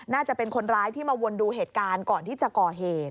น่าจะเป็นคนร้ายที่มาวนดูเหตุการณ์ก่อนที่จะก่อเหตุ